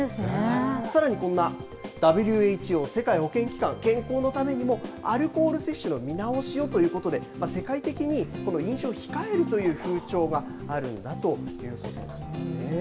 さらにこんなＷＨＯ・世界保健機関、健康のためにもアルコール摂取の見直しをということで、世界的にこの飲酒を控えるという風潮があるんだということなんですね。